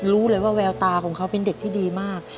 รู้เลยว่าแววตาของเขาเป็นเด็กที่ดีมาก